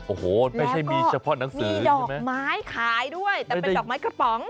โอ้โหไม่ใช่มีเฉพาะหนังสือมีดอกไม้ขายด้วยแต่เป็นดอกไม้กระป๋อง